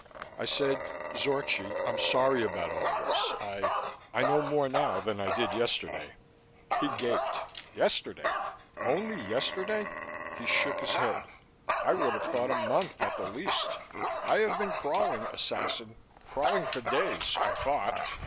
I said, "Zorchi, I'm sorry about all this I I know more now than I did yesterday." He gaped. "Yesterday? Only yesterday?" He shook his head. "I would have thought a month, at the least. I have been crawling, assassin. Crawling for days, I thought."